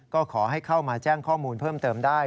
ก็ขอให้เข้ามาแจ้งข้อมูลเพิ่มเติมได้